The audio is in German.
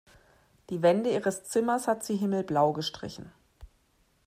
Die Wände ihres Zimmers hat sie himmelblau gestrichen.